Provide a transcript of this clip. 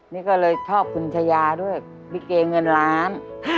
นี่ก็เลยชอบคุณชายาด้วยลิเกเงินล้าน